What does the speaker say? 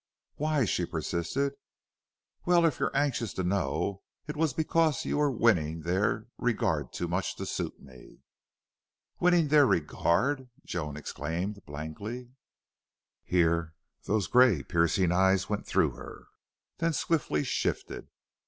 "Why?" she persisted. "Well, if you're anxious to know, it was because you were winning their regard too much to suit me." "Winning their regard!" Joan exclaimed, blankly. Here those gray, piercing eyes went through her, then swiftly shifted.